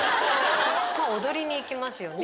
踊りに行きますよね。